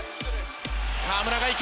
河村が行く。